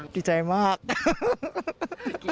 ดีใจมาก